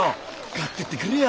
買ってってくれよ。